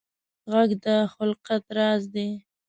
غږ د خلقت راز دی